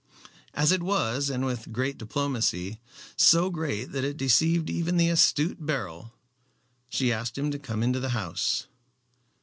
As it was, and with great diplomacy so great that it deceived even the astute Beryl she asked him to come into the house.